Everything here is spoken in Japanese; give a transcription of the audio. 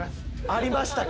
ありましたか。